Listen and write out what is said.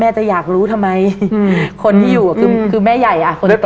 จะอยากรู้ทำไมคนที่อยู่คือแม่ใหญ่อ่ะคนโต